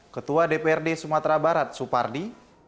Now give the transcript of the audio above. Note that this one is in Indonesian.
ketua dprd sumatera barat supardi